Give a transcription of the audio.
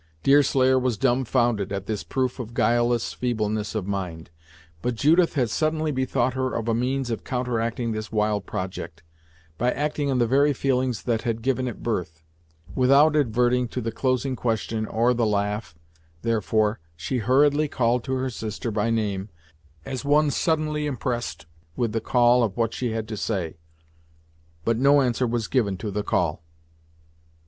Deerslayer was dumb founded at this proof of guileless feebleness of mind, but Judith had suddenly bethought her of a means of counteracting this wild project, by acting on the very feelings that had given it birth. Without adverting to the closing question, or the laugh, therefore, she hurriedly called to her sister by name, as one suddenly impressed with the importance of what she had to say. But no answer was given to the call.